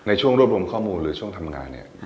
ในช่วงรวบรวมข้อมูลหรือช่วงทำงานเนี่ย